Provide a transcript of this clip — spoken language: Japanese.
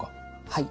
はい。